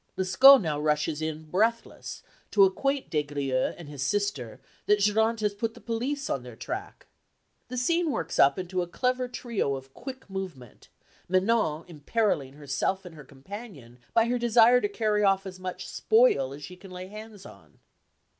Lescaut now rushes in breathless to acquaint Des Grieux and his sister that Geronte has put the police on their track. The scene works up into a clever trio of quick movement, Manon imperilling herself and her companion by her desire to carry off as much spoil as she can lay hands on.